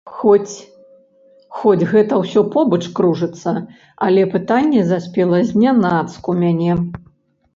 Хоць гэта ўсё побач кружыцца, але пытанне заспела знянацку мяне.